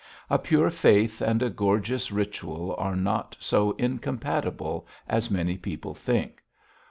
A pure faith and a gorgeous ritual are not so incompatible as many people think.